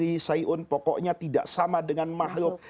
maha esri maha syaiun pokoknya tidak sama dengan makhluk